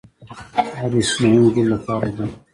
دا د استثنايي وګړو لپاره ده.